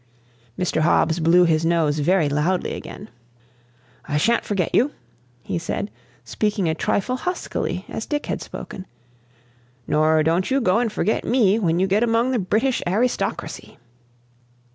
Mr. Hobbs blew his nose very loudly again. "I sha'n't forget you," he said, speaking a trifle huskily, as Dick had spoken; "nor don't you go and forget me when you get among the British arrystocracy."